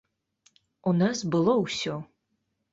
У нас было ўсё.